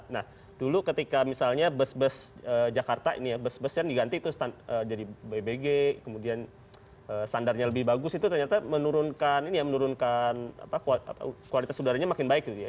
nah dulu ketika misalnya bus bus jakarta ini ya bus busnya diganti itu jadi bbg kemudian standarnya lebih bagus itu ternyata menurunkan ini ya menurunkan kualitas udaranya makin baik gitu ya